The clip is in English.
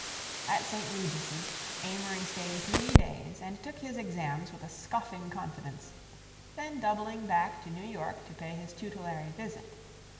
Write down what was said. At St. Regis' Amory stayed three days and took his exams with a scoffing confidence, then doubling back to New York to pay his tutelary visit.